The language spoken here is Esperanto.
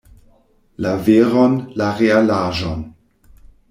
La veron, la realaĵon!